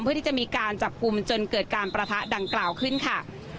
เพื่อที่จะมีการจับกลุ่มจนเกิดการประทะดังกล่าวขึ้นค่ะ